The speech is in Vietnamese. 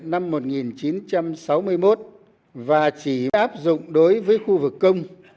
bảo hiểm xã hội mới được bắt đầu thực hiện năm một nghìn chín trăm sáu mươi một và chỉ áp dụng đối với khu vực công